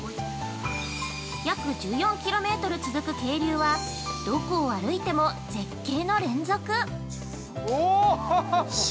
約１４キロメートル続く渓流はどこを歩いても絶景の連続。